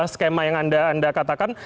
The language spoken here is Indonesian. skema yang anda katakan